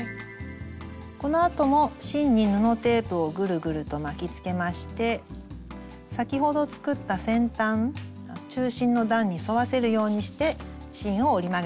このあとも芯に布テープをぐるぐると巻きつけまして先ほど作った先端中心の段に添わせるようにして芯を折り曲げていきます。